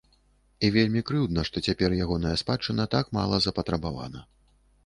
І вельмі крыўдна, што цяпер ягоная спадчына так мала запатрабавана.